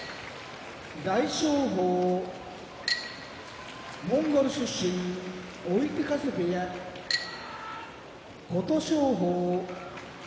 大翔鵬モンゴル出身追手風部屋琴勝峰